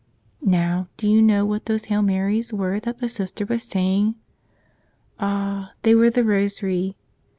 Now, do you know what those Hail Marys were that the Sister was saying? Ah, they were the rosary.